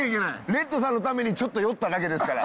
レッドさんのためにちょっと寄っただけですから。